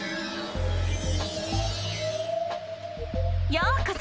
ようこそ！